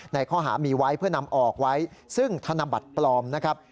ในข้อหามีไว้เพื่อนำออกไว้ซึ่งธนบัตรปลอมนะครับ